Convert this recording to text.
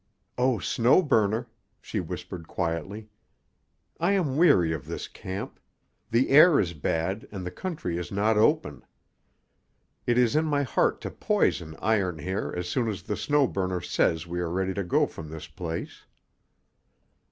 "Oh, Snow Burner," she whispered quietly, "I am weary of this camp. The air is bad, and the country is not open. It is in my heart to poison Iron Hair as soon as the Snow Burner says we are ready to go from this place."